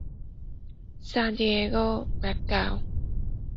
Santiago: background.